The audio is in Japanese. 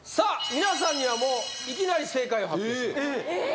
皆さんにはもういきなり正解を発表しますえっ？